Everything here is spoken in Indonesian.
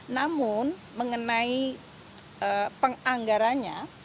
namun mengenai penganggarannya